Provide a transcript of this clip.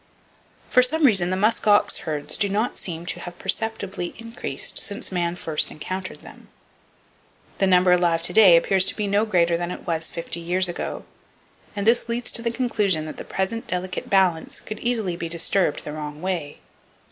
For some reason, the musk ox herds do not seem to have perceptibly increased since man first encountered them. The number alive to day appears to be no greater than it was fifty years ago; and this leads to the conclusion that the present delicate balance could easily be disturbed the wrong way.